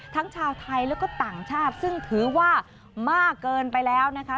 ทั้งชาวไทยแล้วก็ต่างชาติซึ่งถือว่ามากเกินไปแล้วนะคะ